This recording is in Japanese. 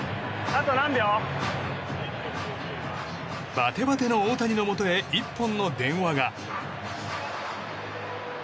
バテバテの大谷のもとへ１本の電話が。